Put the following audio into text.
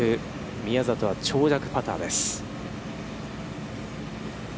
宮里は長尺パターです。